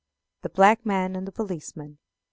The Black Man and the Policeman.